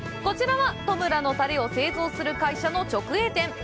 こちらは、戸村のタレを製造する会社の直営店。